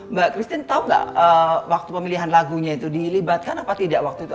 mbak christine tahu nggak waktu pemilihan lagunya itu dilibatkan apa tidak waktu itu